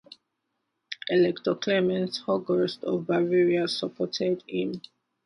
Elector Clemens August of Bavaria supported him.